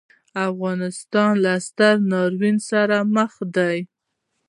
افغانۍ له ستر ناورین سره مخ ده.